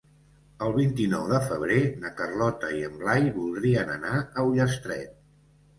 El vint-i-nou de febrer na Carlota i en Blai voldrien anar a Ullastret.